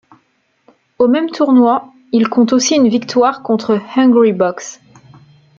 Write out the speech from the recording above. Au même tournoi, il compte aussi une victoire contre Hungrybox.